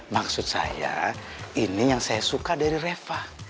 maksud saya ini yang saya suka dari reva